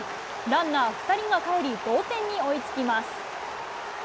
ランナー２人がかえり、同点に追いつきます。